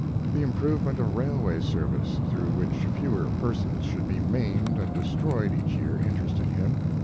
The improvement of railway service, through which fewer persons should be maimed and destroyed each year, interested him.